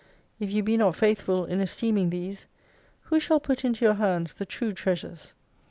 If you be not faithful in esteeming these ; who shall put into your hands the true Treasures